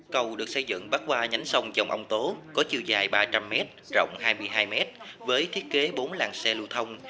cầu được xây dựng bắt qua nhánh sông chồng ông tố có chiều dài ba trăm linh m rộng hai mươi hai mét với thiết kế bốn làng xe lưu thông